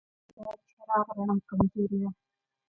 د ګرځنده چراغ رڼا کمزورې وه.